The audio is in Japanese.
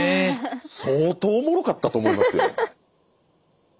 相当おもろかったと思いますよ。